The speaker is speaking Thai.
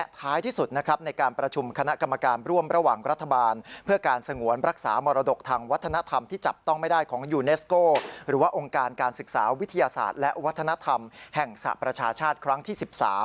ทางการการศึกษาวิทยาศาสตร์และวัฒนธรรมแห่งสระประชาชาติครั้งที่๑๓